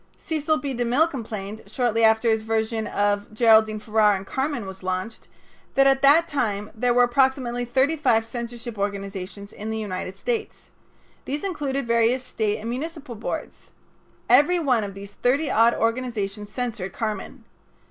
Cecil B. De Mille complained, shortly after his version of Geraldine Farrar in "Carmen" was launched, that at that time there were approximately thirty five censorship organizations in the United States. These included various State and municipal boards. Every one of these thirty odd organizations censored "Carmen."